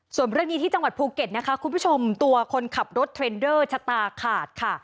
ส่วนเรื่องนี้ที่จังหวัดภูเก็ตนะคะคุณผู้ชมตัวคนขับรถเทรนเดอร์ชะตาขาดค่ะ